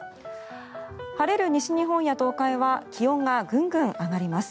晴れる西日本や東海は気温がグングン上がります。